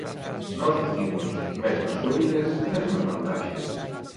Nós dicimos, mesmas obrigas, mesmas vantaxes.